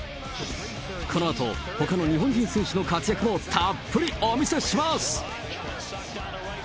このあとほかの日本人選手の活躍もたっぷりお見せします。